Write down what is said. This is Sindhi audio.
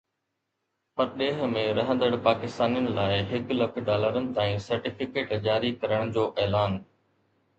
پرڏيهه ۾ رهندڙ پاڪستانين لاءِ هڪ لک ڊالرن تائين سرٽيفڪيٽ جاري ڪرڻ جو اعلان